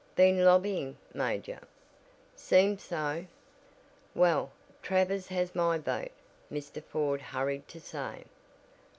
"Been lobbying, Major?" "Seems so." "Well, Travers has my vote," Mr. Ford hurried to say.